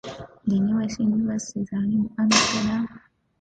The nearest universities are in Amsterdam.